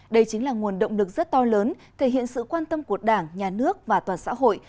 đây chính là nguồn động lực rất to lớn thể hiện sự quan tâm của đảng nhà nước và toàn xã hội